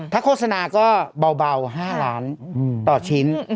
ถ้าโฆษณาก็เบา๕ล้านต่อชิ้น